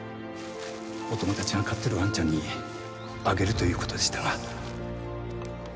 お友達が飼ってるワンちゃんにあげるという事でしたが。